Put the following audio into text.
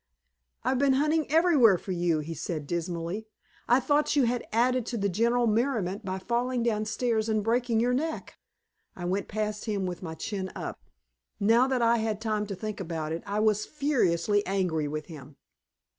"I've been hunting everywhere for you," he said dismally. "I thought you had added to the general merriment by falling downstairs and breaking your neck." I went past him with my chin up. Now that I had time to think about it, I was furiously angry with him.